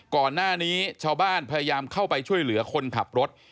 ก่อนหน้านี้ชาวบ้านพยายามเข้าไปช่วยเหลือคนขับรถ